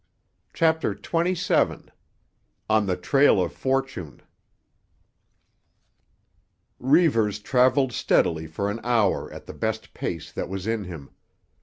CHAPTER XXVII—ON THE TRAIL OF FORTUNE Reivers travelled steadily for an hour at the best pace that was in him.